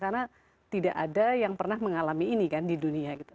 karena tidak ada yang pernah mengalami ini kan di dunia gitu